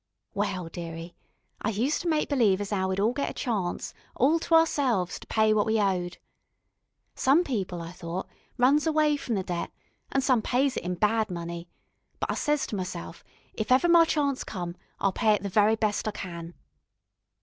Well, dearie, I use to make believe as 'ow we'd all get a charnce, all to ourselves, to pay what we owed. Some people, I thought, runs away from the debt, an' some pays it in bad money, but, I ses to meself, if ever my charnce come, I'll pay it the very best I can.